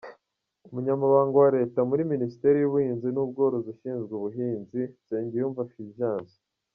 Umunyamabanga wa Leta muri Minisiteri y’Ubuhinzi n’Ubworozi ushinzwe ubuhinzi : Nsengiyumva Fulgence